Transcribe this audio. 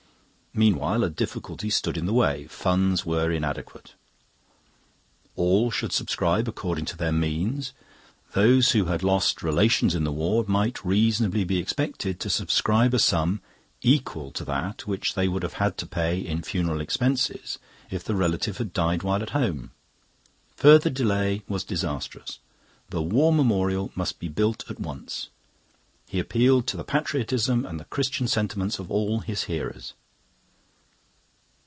Meanwhile a difficulty stood in the way. Funds were inadequate. All should subscribe according to their means. Those who had lost relations in the war might reasonably be expected to subscribe a sum equal to that which they would have had to pay in funeral expenses if the relative had died while at home. Further delay was disastrous. The War Memorial must be built at once. He appealed to the patriotism and the Christian sentiments of all his hearers.